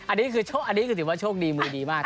อันนี้ถือว่าโชคดีมือดีมาก